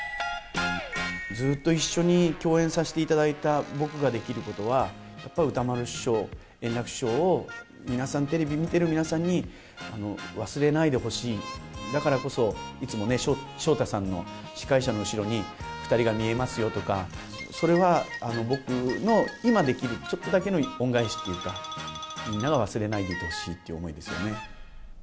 ずっと一緒に共演させていただいた僕ができることは、やっぱり歌丸師匠、円楽師匠を、皆さん、テレビ見てる皆さんに忘れないでほしい、だからこそ、いつもね、昇太さんの、司会者の後ろに２人が見えますよとか、それは僕の今できる、ちょっとだけの恩返しというか、みんなが忘れないでいてほしいっていう思いですよね。